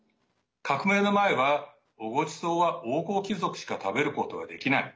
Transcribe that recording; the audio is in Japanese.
革命の前は、おごちそうは王侯貴族しか食べることができない。